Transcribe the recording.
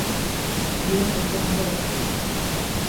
Lieneitem braucam.